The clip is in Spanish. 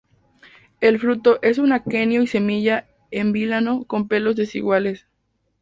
El fruto es un aquenio y semilla en vilano con pelos desiguales.